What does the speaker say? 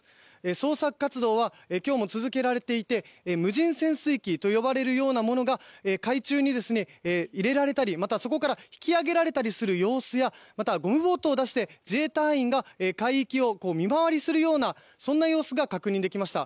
捜索活動は今日も続けられていて無人潜水機と呼ばれるようなものが海中に入れられたりそこから引き揚げられたりする様子やまた、ゴムボートを出して自衛隊員が海域を見回りするような様子が確認できました。